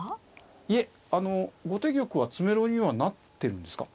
いえあの後手玉は詰めろにはなってるんですか？